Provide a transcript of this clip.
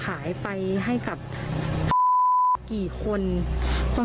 ความปลอดภัยของนายอภิรักษ์และครอบครัวด้วยซ้ำ